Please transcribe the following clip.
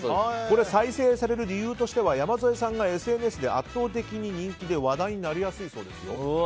再生される理由は山添さんがＳＮＳで圧倒的に人気で話題になりやすいそうですよ。